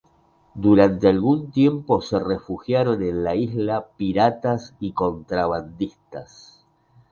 Durante algún tiempo se refugiaron en la isla piratas y contrabandistas.